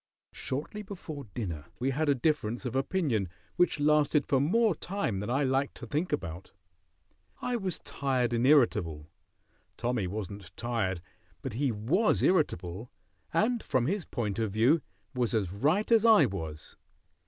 Shortly before dinner we had a difference of opinion which lasted for more time than I like to think about. I was tired and irritable. Tommy wasn't tired, but he was irritable, and, from his point of view, was as right as I was.